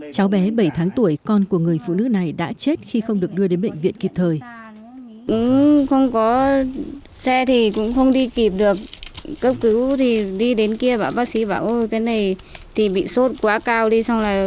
cháu bé bảy tháng tuổi con của người phụ nữ này đã chết khi không được đưa đến bệnh viện kịp thời